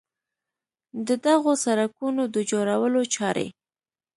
د دغو سړکونو د جوړولو چارې